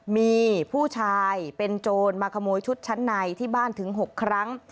มีผู้ชายเป็นโจรมาขโมยชุดชั้นในที่บ้านถึง๖ครั้ง